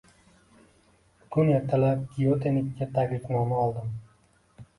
Bugun ertalab Gyotenikiga taklifnoma oldim.